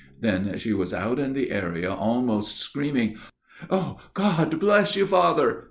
Then she was out in the area almost screaming " c Oh, God bless you, Father